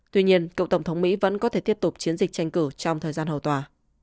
tuy nhiên cựu tổng thống mỹ vẫn có thể tiếp tục chiến dịch tranh cử trong thời gian hầu tòa